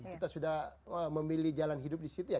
kita sudah memilih jalan hidup disitu ya